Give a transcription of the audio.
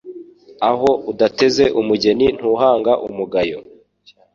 Aho udateze umugeni ntuhanga umugayo